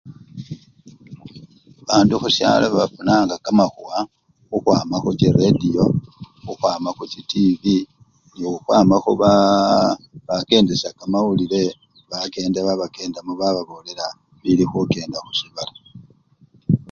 Bandu khusyalo bafunanga kamakhuwa khukhwama khuchiretiyo, khukhwama khuchitivwi nekhukhwama khubaaa! bakendesya kamawulile bakenda babakendamo bababolela bi! bilikhukenda khusibala.